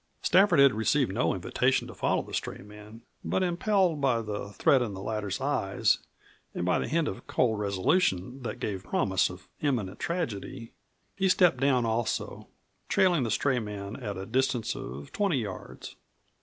Stafford had received no invitation to follow the stray man, but impelled by the threat in the latter's eyes and by the hint of cold resolution that gave promise of imminent tragedy, he stepped down also, trailing the stray man at a distance of twenty yards.